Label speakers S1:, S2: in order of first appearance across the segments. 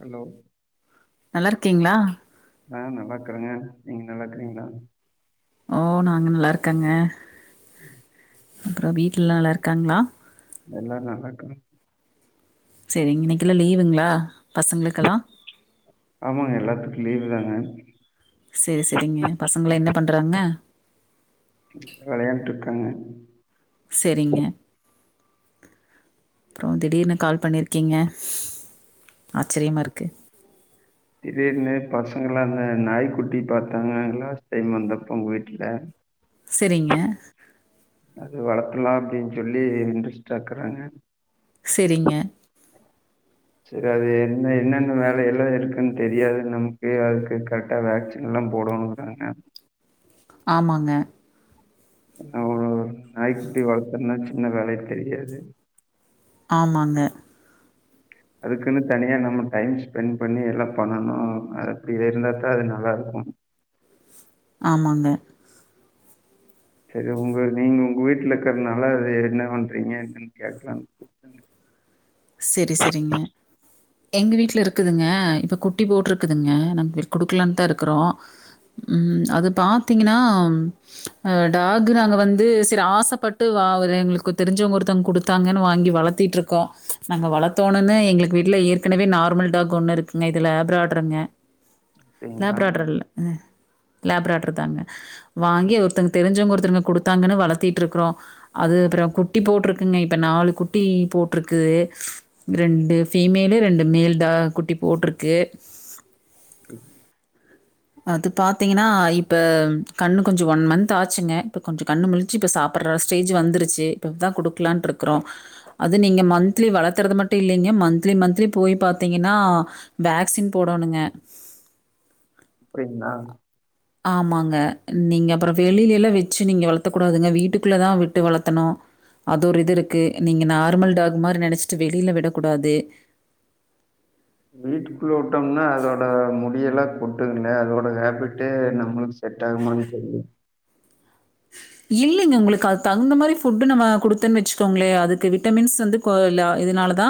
S1: Hello
S2: நல்லாருக்கீங்ளா
S1: ஆ நல்லாக்றங்க நீங்கிங்க நல்லாக்றீங்ளா
S2: ஓ நாங்க நல்லா இருக்கங்க
S1: ம்
S2: கற வீட்ல எல்லா நல்லா இருக்காங்ளா
S1: எல்லா நல்லாக்றாங்க
S2: செரிங்க இன்னிக்கெல்லா லீவுங்ளா பசங்களுக்கெல்லா
S1: ஆமாங்க எல்லாத்துக்கு லீவ் தாங்க
S2: செரி செரிங்க பசங்கலா என்ன பண்றாங்க
S1: வெளையாண்ட்ருக்கு தாங்க
S2: செரிங்க அப்றோ திடீர்னு கால் பண்ணி இருக்கீங்க ஆச்சிரியமா இருக்கு
S1: திடீர்னு பசங்கெல்லா ந நாய்க் குட்டி பாத்தாங்க லாஸ்ட் டைம் வந்தப்போ உங்க வீட்டுல
S2: செரிங்க
S1: அது வளத்துல்லா அப்டின் சொல்லி இன்ட்ரஸ்டா இருக்கறாங்க
S2: செரிங்க
S1: செரி அது என்ன என்னென்ன வேல எல்லா எதுக்குன் தெரியாது நம்கு அதுக்கு கரெக்டா வேக்சின் எல்லா போடனோன்றாங்க
S2: ஆமாங்க
S1: நம்ம ஒரு நாய்க்குட்டி வளர்த்தற்னா சின்ன வேலையா தெரியாது
S2: ஆமாங்க
S1: அதுக்குனு தனியா நம்ம டைம் ஸ்பெண்ட் பண்ணி எல்லா பண்ணணு அ அப்டி இருந்தாதா அது நல்லா இருக்கோ
S2: ஆமாங்க
S1: செரி உங்க நீங்க உங்க வீட்ல இருக்கறனால எ என்ன பண்றீங்கண்ட்டு கேக்கலானு
S2: செரி செரிங்க எங்க வீட்ல இருக்குதுங்க இப்ப குட்டி போட்டுருக்குதுங்க நாங்க குடுக்குலாதா இருக்குறோ ம் அது பாத்தீங்கனாம் அ டாக்கு நாங்க வந்து செரி ஆசப்பட்டு வாவ் அ தெங்குளுக்கு தெரிஞ்சவங்க ஒருத்தவுங் குடுத்தாங்கன்னு வாங்கி வளத்திட்டுருக்கோ ச்ச நாங்க வளதோணுன்னு எங்குளுக்கு விட்ல ஏற்கனவே நார்மல் டாக் ஒன்னு இருக்குங்க இது லேப்ரடார்ங்க
S1: அப்படிங்களா?
S2: லேப்ரடார் இல்ல லேப்ரடார் தாங்க வாங்கி ஒருத்தங் தெரிஞ்சவங்க ஒருத்தருங்க குடு த்தாங்கனு வளத்திட்க்குறோ அது புறம் குட்டி போட்ருக்குங்க இப்ப நாலு குட்டி போட்ருக்கு ரெண்டு ஃபீமேலு ரெண்டு மேல் டா குட்டி போட்ருக்கு
S1: ம்
S2: அது பாத்தீங்கனா இப்ப கண்ணு கொஞ்சோ ஒன் மந்த் ஆச்சுங்க இப்ப கொஞ்சோ கண்ணு முழிச்சு இப்ப சாப்பட்ற ஸ்டேஜ் வந்துருச்சு இப்பதா குடுக்கலான்ட்ருக்றோ அது நீங்க மந்த்லி வளர்த்தறு மட்டு இல்லிங்க மந்த்லி மந்த்லி போயி பாத்தீங்கனா வாக்சீன் போடணுங்க
S1: அப்டிங்ளா
S2: ஆமாங்க நீங்க அப்புற வெளிலேலா வெச்சு நீங்க வளத்தக் கூடாதுங்க வீட்டுக்குள்ளதா விட்டு வளத்தணு அது ஒரு இது இருக்கு நீங்க நார்மல் டாக் மாரி நெனைச்சிட்டு வெளில விடக்கூடாது
S1: வீட்டுக்குள்ள உட்டோம்னா அதோட முடியெல்லா கொட்டுதுங்கே அதோட ஹாபிட்டே நம்ளுக்கு செட்டாகுமானு தெரி
S2: இல்லிங்க உங்குளுக்கு அது தகுந்த மாரி ஃபுட்டு நம்ம குடுத்தன் வெச்சுக்கோங்ளே அதுக்கு விட்டமின்ஸ் வந்து கோ இல்லா இதுனாலதா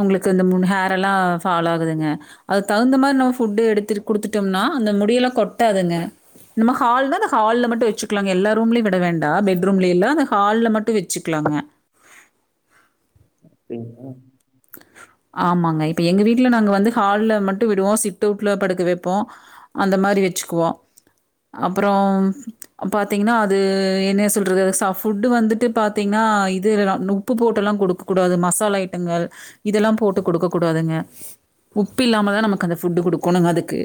S2: உங்குளுக்கு இந் முன் ஹேர் எல்லா ஃபால் ஆகுதுங்க அது தகுந்த மாரி நம்ம ஃபுட்டு எடுத்திரு குடுத்துட்டோம்னா அந்த முடியெல்லா கொட்டாதுங்க நம்ம ஹால்ல அந்த ஹால்ல மட்டு வெச்சுக்லாங்க எல்லா ரூம்லே விட வேண்டா பெட்ரூம்லே எல்லா அஆ ஹால்ல மட்டு வெச்சுக்கிலாங்க
S1: பிங் ஆ
S2: ஆமாங்க இப்ப எங்க வீட்ல நாங்க வந்து ஹால்ல மட்டு விடுவோ சிட் அவுட்ல படுக்க வெப்போ அந்த மாரி வெச்சுக்குவோ அப்புறோம் பாத்தீங்கனா அது என்னைய சொல்றது சா ஃபுட்டு வந்துட்டு பாத்தீங்னா இது [unintelligible] உப்பு போடெல்லா குடுக்க கூடாது மசாலா ஐட்டங்கள் இதெல்லா போட்டு கொடுக்க கூடாதுங்க உப்பு இல்லாமதான் நமக்கு அந்த ஃபுட்டு் கொடுக்கணுங்க அதுக்கு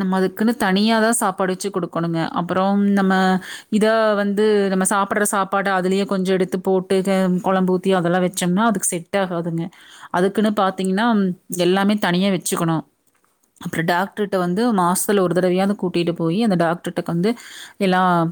S2: நம்ம அதுக்குன்னு தனியாதான் சாப்பாடு வச்சு குடுக்கணுங்க அப்புறம் நம்ம இதா வந்து நம்ம சாப்படுற சாப்பாடு அதுலயே கொஞ்சம் எடுத்து போட்டு குழம்பூத்தி அதெல்லாம் வச்சோம்னா அதுக்கு செட் ஆகாதுங்க அதுக்குன்னு பாத்தீங்கன்னா எல்லாமே தனியா வச்சுக்கணும் அப்புறம் டாக்டர் டர் வந்து மாசத்தில் ஒரு தடவியாகந்து கூட்டிட்டு போய் அந்த டாக்டர்கக்கு வந்து எல்லா ப